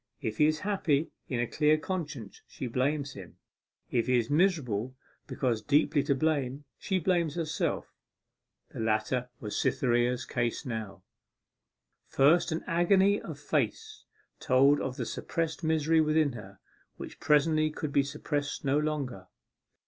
If he is happy in a clear conscience, she blames him; if he is miserable because deeply to blame, she blames herself. The latter was Cytherea's case now. First, an agony of face told of the suppressed misery within her, which presently could be suppressed no longer.